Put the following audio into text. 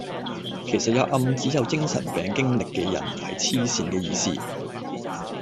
其實有暗指有精神病經歷嘅人係痴線嘅意思